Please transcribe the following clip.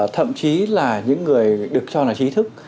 thậm chí là những người được cho là trí thức